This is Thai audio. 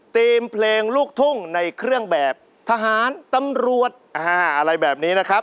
ทีมเพลงลูกทุ่งในเครื่องแบบทหารตำรวจอะไรแบบนี้นะครับ